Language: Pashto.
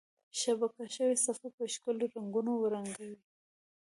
شبکه شوي صفحه په ښکلي رنګونو ورنګوئ.